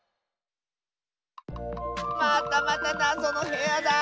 またまたなぞのへやだ！